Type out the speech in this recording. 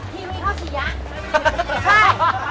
ทีวีเข้าสี่ย้า